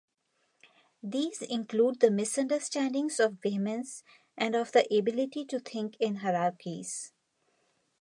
These include the misunderstandings of vehemence and of the ability to think in hierarchies.